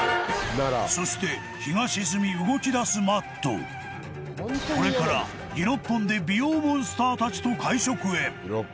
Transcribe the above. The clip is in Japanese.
そしてこれからギロッポンで美容モンスターたちと会食へ